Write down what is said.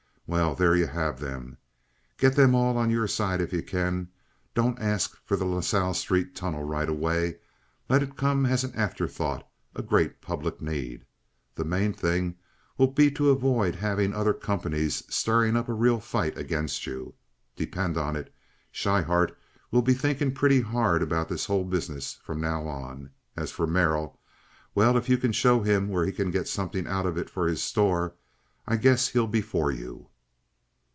Well, there you have them. Get them all on your side if you can. Don't ask for the LaSalle Street tunnel right away. Let it come as an afterthought—a great public need. The main thing will be to avoid having the other companies stirring up a real fight against you. Depend on it, Schryhart will be thinking pretty hard about this whole business from now on. As for Merrill—well, if you can show him where he can get something out of it for his store, I guess he'll be for you."